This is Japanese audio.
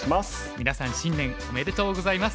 みなさん新年おめでとうございます。